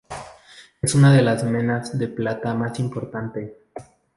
Es una de las menas de plata más importante.